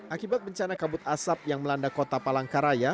akibat bencana kabut asap yang melanda kota palangkaraya